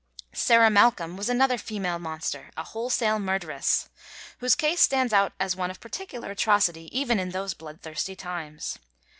Sarah Malcolm was another female monster, a wholesale murderess, whose case stands out as one of peculiar atrocity even in those bloodthirsty times.